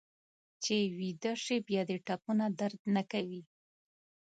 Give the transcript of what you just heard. چې ویده شې بیا دې ټپونه درد نه کوي.